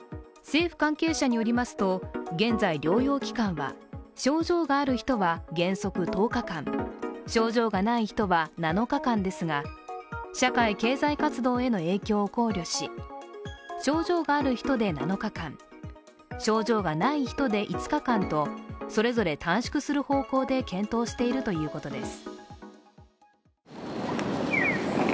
政府関係者によりますと、現在、療養期間は症状がある人は原則１０日間症状がない人は７日間ですが社会経済活動への影響を考慮し、症状がある人で７日間、症状がない人で５日間とそれぞれ短縮する方向で検討しているということです。